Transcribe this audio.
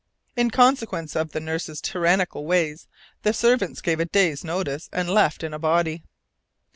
In consequence of the nurse's tyrannical ways, the servants gave a day's notice and left in a body.